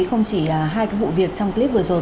không chỉ hai cái vụ việc trong clip vừa rồi